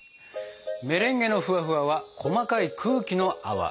メレンゲのフワフワは細かい空気の泡。